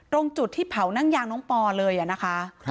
ตรงจุดที่เผานั่งยางน้องปอเลยนะคะ